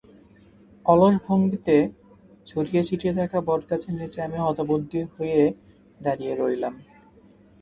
অলস ভঙ্গিতে ছড়িয়ে-ছিটিয়ে থাকা বটগাছের নিচে আমি হতবুদ্ধি হয়ে দাঁড়িয়ে রইলাম।